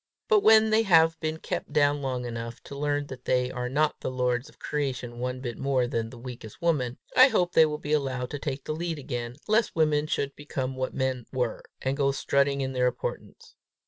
But when they have been kept down long enough to learn that they are not the lords of creation one bit more than the weakest woman, I hope they will be allowed to take the lead again, lest women should become what men were, and go strutting in their importance.